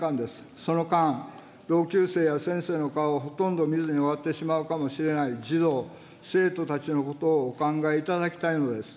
その間、同級生や先生の顔をほとんど見ずに終わってしまうかもしれない、児童・生徒たちのことをお考えいただきたいのです。